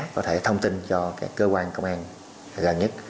có thể thông tin cho cơ quan công an gần nhất